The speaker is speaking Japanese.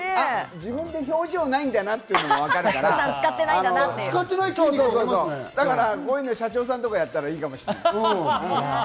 自分、表情がないんだなっていうのがわかるから、社長さんとかやったら、いいかもしれない。